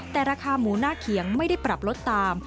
แต่ราคาหมูหน้าเขียงไม่ได้ปรับลดตาม